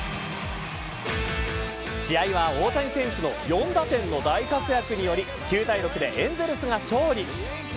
試合は大谷選手の４打点の大活躍により９対６でエンゼルスが勝利。